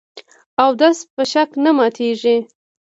اودس په شک نه ماتېږي .